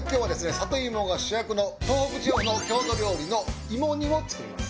里芋が主役の東北地方の郷土料理の芋煮を作ります。